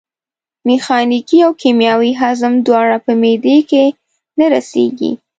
میخانیکي او کیمیاوي هضم دواړه په معدې کې نه رسېږي.